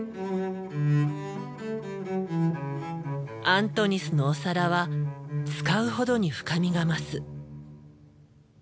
アントニスのお皿は使うほどに深みが増す。